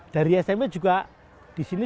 dari smp juga disini